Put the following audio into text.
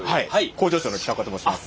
工場長の北岡と申します。